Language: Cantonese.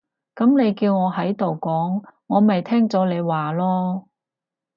噉你叫我喺度講，我咪聽咗你話囉